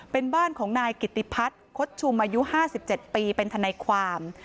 เป็นบ้านของนายกิติพัฒน์คดชุมอายุ๕๗ปีเป็นทนายความ